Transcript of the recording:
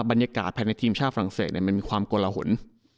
บรรยากาศแผ่นในทีมชาติฝรั่งเศสเนี่ยมันมีความกละหละหลน